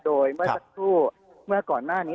โดยเมื่อสักครู่เมื่อก่อนหน้านี้